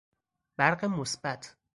برق مثبت